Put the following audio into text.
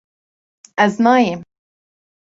Ez nayêm